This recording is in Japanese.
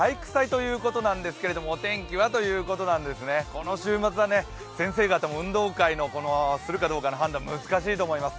この週末は、先生方も運動会するかどうかの判断難しいかと思います。